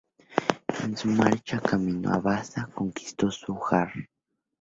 En su marcha camino a Baza conquistó Zújar.